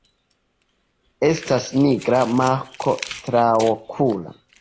Estas nigra marko traokula.